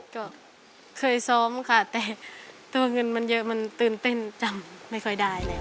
ก็เคยซ้อมค่ะแต่ตัวเงินมันเยอะมันตื่นเต้นจำไม่ค่อยได้แล้ว